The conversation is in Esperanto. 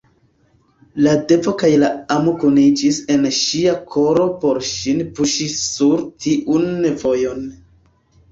La devo kaj la amo kuniĝis en ŝia koro por ŝin puŝi sur tiun vojon.